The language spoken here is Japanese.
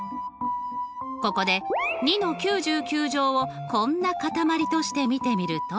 ここで２の９９乗をこんな固まりとして見てみると。